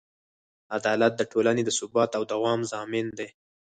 عدالت د ټولنې د ثبات او دوام ضامن دی.